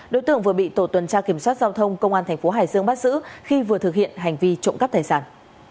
đối tượng vừa bị tổ tuần tra kiểm soát giao thông công an thành phố hải dương bắt giữ khi vừa thực hiện hành vi trộm cắp tài sản